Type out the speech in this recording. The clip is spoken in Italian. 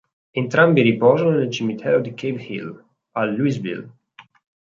Entrambi riposano nel cimitero di Cave Hill, a Louisville.